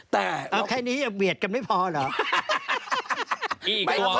แต่แค่นี้เวียดกันไม่พอหรือ